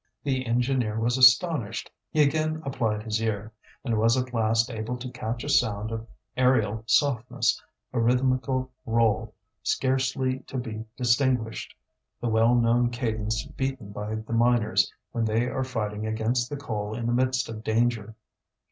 The engineer was astonished; he again applied his ear, and was at last able to catch a sound of aerial softness, a rhythmical roll scarcely to be distinguished, the well known cadence beaten by the miners when they are fighting against the coal in the midst of danger.